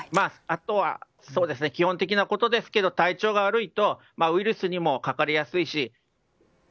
あとは、基本的なことですけど体調が悪いとウイルスにもかかりやすいし。